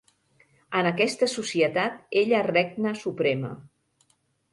En aquesta societat, ella regna suprema.